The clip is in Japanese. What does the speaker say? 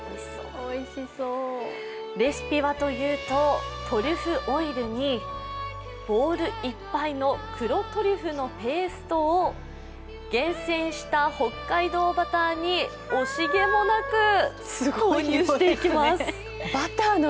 レシピはというと、トリュフオイルにボウルいっぱいの黒トリュフのペーストを厳選した北海道バターに惜しげもなく投入していきます。